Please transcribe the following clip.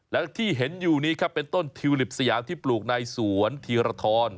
และที่เห็นอยู่นี้ครับเป็นต้นทิวลิปสยามที่ปลูกในสวนธีรทร